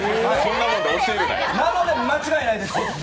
なので、間違いないです。